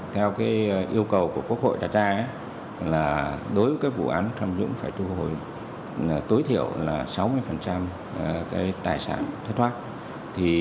theo yêu cầu của quốc hội đặt ra là đối với vụ án tham dũng phải thu hồi tối thiểu là sáu mươi tài sản thất thoát